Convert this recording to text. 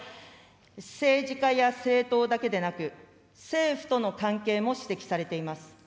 政治家や政党だけでなく、政府との関係も指摘されています。